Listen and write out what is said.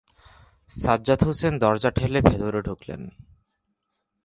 সাজ্জাদ হোসেন দরজা ঠেলে ভেতরে ঢুকলেন।